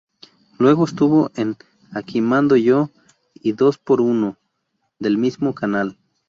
Luego estuvo en "Aquí Mando Yo" y "Dos por uno" del mismo canal.